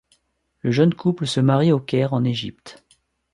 Le jeune couple se marie au Caire en Égypte.